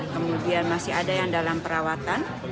kemudian masih ada yang dalam perawatan